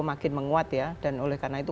makin menguat ya dan oleh karena itu